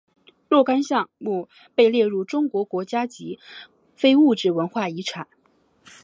若干项目被列入中国国家级非物质文化遗产。